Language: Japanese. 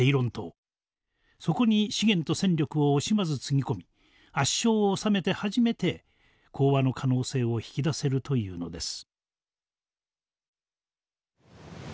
そこに資源と戦力を惜しまずつぎ込み圧勝を収めて初めて講和の可能性を引き出せるというのです。